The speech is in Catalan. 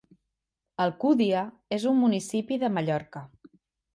Alcúdia és un municipi de Mallorca.